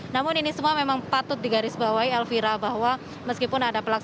namun ini semua memang patut digarisbawahi elvira bahwa meskipun ada pelaksanaan